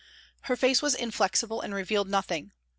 Her face was inflexible and revealed nothing.